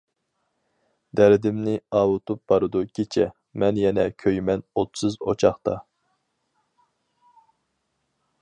دەردىمنى ئاۋۇتۇپ بارىدۇ كېچە، مەن يەنە كۆيىمەن ئوتسىز ئوچاقتا.